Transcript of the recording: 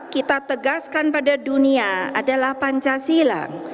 kita tegaskan pada dunia adalah pancasila